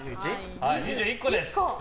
２１個です。